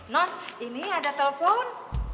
non ini ada telepon